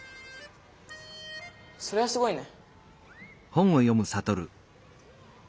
それはすごいね。